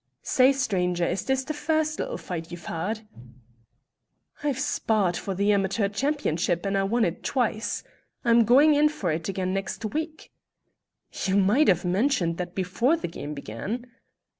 Say, stranger, is this the first little fight you've had?" "I've sparred for the amateur championship, and won it twice. I'm going in for it again next week." "You might have mentioned that before the game began."